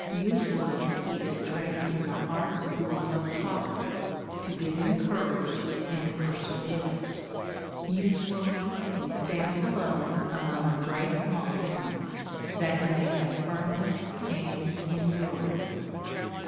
Usually he is trained in the hard school of poverty, to give him courage and perseverance. Usually he stands alone among a great multitude, that he may have firmness and endurance.